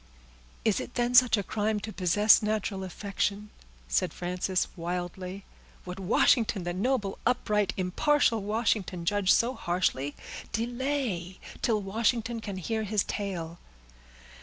"Is it then such a crime to possess natural affection?" said Frances wildly. "Would Washington—the noble, upright, impartial Washington, judge so harshly? Delay, till Washington can hear his tale."